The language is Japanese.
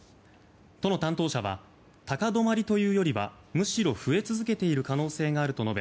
都の担当者は高止まりというよりはむしろ増え続けている可能性があると述べ